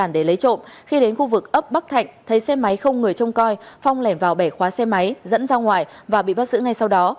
để lấy trộm khi đến khu vực ấp bắc thạnh thấy xe máy không người trông coi phong lẻn vào bẻ khóa xe máy dẫn ra ngoài và bị bắt giữ ngay sau đó